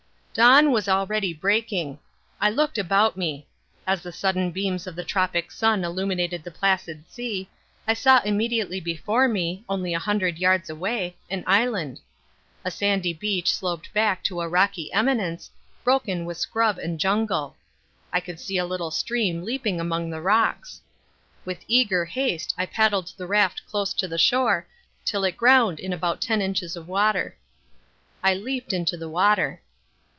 Dawn was already breaking. I looked about me. As the sudden beams of the tropic sun illumined the placid sea, I saw immediately before me, only a hundred yards away, an island. A sandy beach sloped back to a rocky eminence, broken with scrub and jungle. I could see a little stream leaping among the rocks. With eager haste I paddled the raft close to the shore till it ground in about ten inches of water. I leaped into the water.